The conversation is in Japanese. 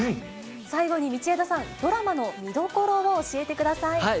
最後に道枝さん、ドラマの見どころを教えてください。